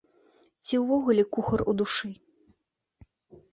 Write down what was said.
Ці ўвогуле кухар у душы?